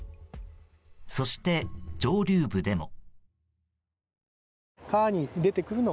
そして、上流部でも。